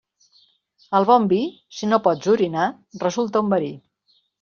El bon vi, si no pots orinar, resulta un verí.